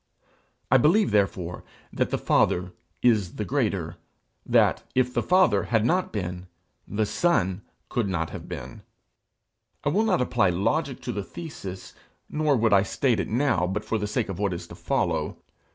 I believe therefore that the Father is the greater, that if the Father had not been, the Son could not have been. I will not apply logic to the thesis, nor would I state it now but for the sake of what is to follow.